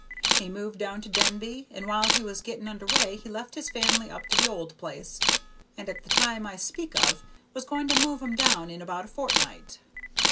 He moved down to Denby, and while he was getting under way, he left his family up to the old place, and at the time I speak of, was going to move 'em down in about a fortnight.